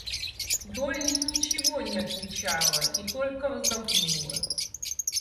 Долли ничего не отвечала и только вздохнула.